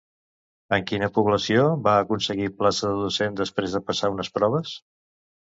En quina població va aconseguir plaça de docent després de passar unes proves?